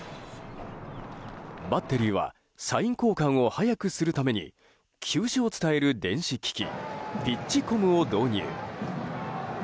バッテリーはサイン交換を早くするために球種を伝える電子機器ピッチコムを導入。